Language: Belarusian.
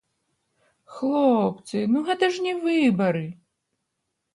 Хлопцы, ну гэта ж не выбары!